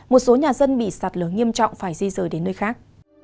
một số nhà dân bị sạt lở nghiêm trọng phải di rời đến nơi khác